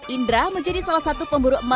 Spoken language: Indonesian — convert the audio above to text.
indra menjadi salah satu pemburu emas